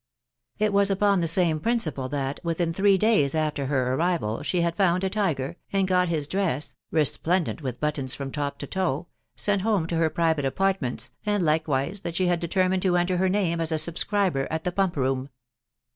It was upon the same principle that, within three days after her arrival, she had found a tiger, and got his dress (resplen dent with buttons from top to toe) sent home to her private apartments, and likewise that she had determined to enter her name as a subscriber at the pump room.